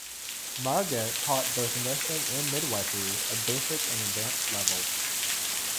Marga taught both nursing and midwifery at basic and advanced levels.